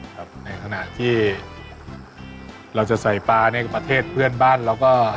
ครับในขณะที่เราจะใส่ปลาในประเทศเพื่อนบ้านเราก็